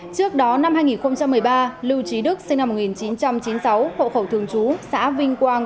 trước đó năm hai nghìn một mươi ba lưu trí đức sinh năm một nghìn chín trăm chín mươi sáu hộ khẩu thường trú xã vinh quang